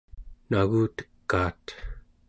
nagutekaat